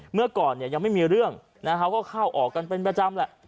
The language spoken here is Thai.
เมื่อก่อนเนี่ยยังไม่มีเรื่องเขาก็เข้าออกกันเป็นประจำแหละ